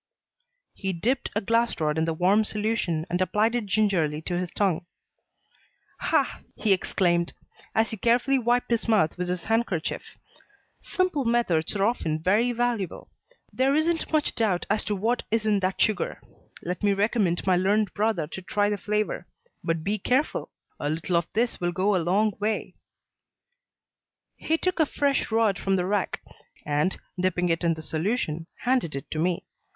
He dipped a glass rod in the warm solution and applied it gingerly to his tongue. "Ha!" he exclaimed, as he carefully wiped his mouth with his handkerchief, "simple methods are often very valuable. There isn't much doubt as to what is in that sugar. Let me recommend my learned brother to try the flavour. But be careful. A little of this will go a long way." He took a fresh rod from the rack, and, dipping it in the solution, handed it to me.